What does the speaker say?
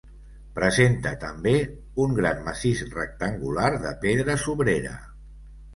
Presenta també un gran massís rectangular de pedra sobrera.